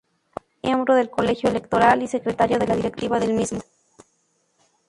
Fue miembro del Colegio Electoral y secretario de la directiva del mismo.